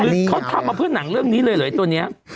คือเขาทำมาเพื่อหนังเรื่องนี้เลยเหรอไอตัวนี้